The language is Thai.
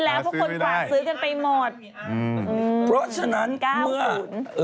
พวกคนกว่าซื้อกันไปหมดอืมก้าวฝุ่นเพราะฉะนั้นเมื่อ